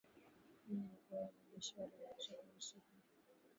wame wamehogwa wanajeshi wa walionekana kuhusishwa